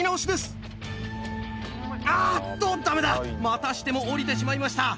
またしても下りてしまいました。